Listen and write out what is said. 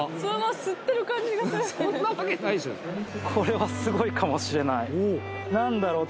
これはすごいかもしれない何だろう